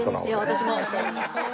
私も。